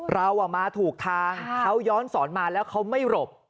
เรามาถูกทางเขาย้อนสอนมาแล้วเขาไม่หลบ